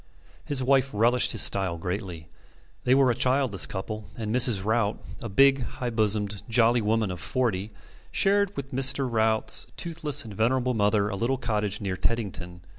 His wife relished his style greatly. They were a childless couple, and Mrs. Rout, a big, high bosomed, jolly woman of forty, shared with Mr. Rout's toothless and venerable mother a little cottage near Teddington.